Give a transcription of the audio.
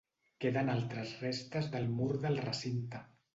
Queden altres restes de mur del recinte.